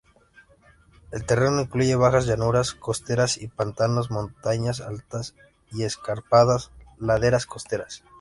El terreno incluye bajas llanuras costeras y pantanos, montañas altas y escarpadas laderas costeras.